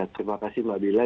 terima kasih mbak dila